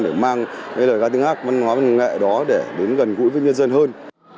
để mang cái lời ca tiếng hát văn hóa văn nghệ đó để đến gần gũi với nhân dân hơn